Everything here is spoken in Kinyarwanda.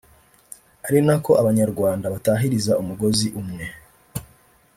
ari na ko abanyarwanda batahiriza umugozi umwe